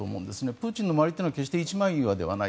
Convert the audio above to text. プーチンの周りというのは決して一枚岩ではない。